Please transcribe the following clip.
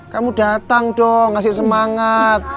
kamu datang dong ngasih semangat